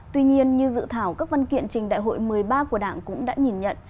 tuy nhiên như dự thảo các văn kiện trình đại hội một mươi ba của đảng cũng đã nhìn nhận